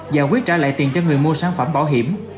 giải quyết trả lại tiền cho người mua sản phẩm bảo hiểm